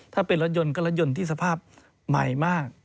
ถ้าเป็นรถยนต์ก็รถยนต์ที่สภาพใหม่มาก